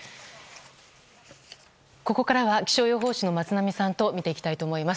ここからは気象予報士の松並さんと見ていきたいと思います。